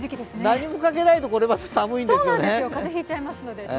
何もかけないと、これまた寒いんですよね。